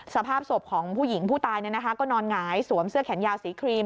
สภาพศพของผู้หญิงผู้ตายก็นอนหงายสวมเสื้อแขนยาวสีครีม